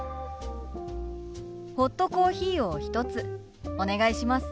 ホットコーヒーを１つお願いします。